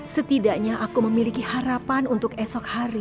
setidaknya aku memiliki harapan untuk esok hari